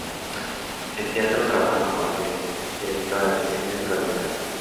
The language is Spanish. En teatro trabaja como actriz, directora de escena y productora.